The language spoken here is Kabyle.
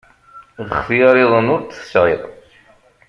Lxetyar-iḍen ur t-tesεiḍ.